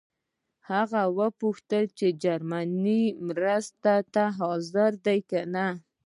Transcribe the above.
هغه پوښتنه وکړه چې جرمني مرستې ته حاضر دی کنه.